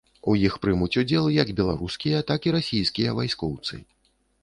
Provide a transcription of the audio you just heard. У іх прымуць удзел як беларускія, так і расійскія вайскоўцы.